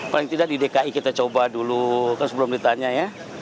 paling tidak di dki kita coba dulu kan sebelum ditanya ya